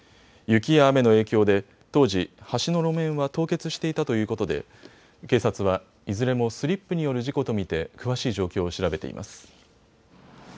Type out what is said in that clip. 雪や雨の影響で当時、橋の路面は凍結していたということで警察はいずれもスリップによる事故と見て詳しい状況を調べています。